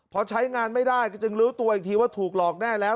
พอใช้งานไม่ได้ก็จึงรู้ตัวอีกทีว่าถูกหลอกแน่แล้ว